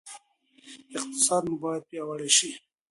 اقتصاد مو باید پیاوړی شي.